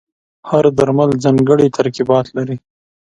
هر درمل ځانګړي ترکیبات لري.